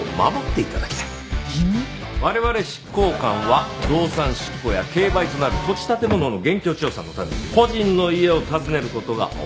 我々執行官は動産執行や競売となる土地建物の現況調査のために個人の家を訪ねる事が多くある。